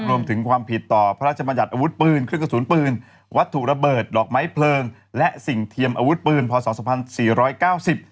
รวมถึงความผิดต่อพระราชมัญญัติอาวุธปืนเครื่องกระสุนปืนวัตถุระเบิดดอกไม้เพลิงและสิ่งเทียมอาวุธปืนพศพันสี่ร้อยเก้าสิบ